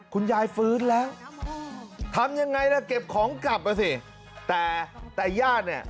คุณยายฟื้นแล้วทำยังไงล่ะเก็บของกลับไปสิแต่แต่ย่านเนี่ย